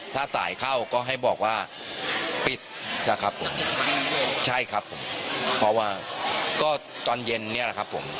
ถ้าสายเข้าก็ให้บอกว่าปิดนะครับใช่ครับผมเพราะว่าก็ตอนเย็นเนี่ยแหละครับผม